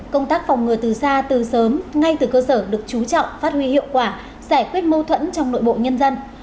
công tác phòng ngừa từ xa từ sớm ngay từ cơ sở được chú trọng phát huy hiệu quả giải quyết mâu thuẫn trong nội bộ nhân dân